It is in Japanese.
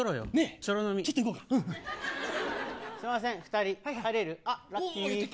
ちょっすいません、２人入れる。